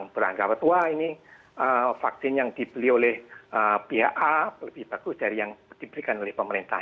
beranggapan tua ini vaksin yang dibeli oleh pihak a lebih bagus dari yang diberikan oleh pemerintah